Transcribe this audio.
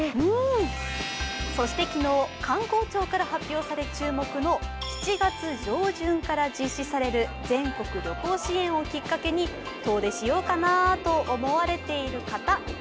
そして昨日、観光庁から発表され注目の７月上旬から実施される全国旅行支援をきっかけに遠出しようかなと思われている方